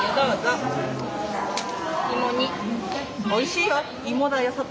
おいしいよ。